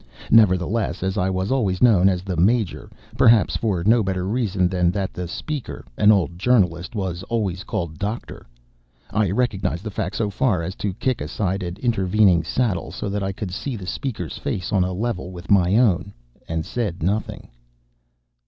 Nevertheless, as I was always known as the Major, perhaps for no better reason than that the speaker, an old journalist, was always called Doctor, I recognized the fact so far as to kick aside an intervening saddle, so that I could see the speaker's face on a level with my own, and said nothing.